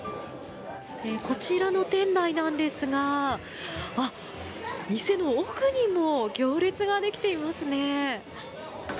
こちらの店内なんですが店の奥にも行列ができていますね。